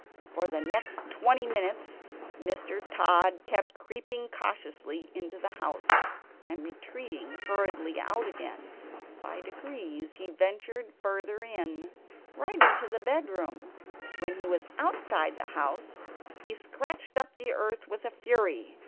For the next twenty minutes Mr. Tod kept creeping cautiously into the house, and retreating hurriedly out again. By degrees he ventured further in right into the bed room. When he was outside the house, he scratched up the earth with fury.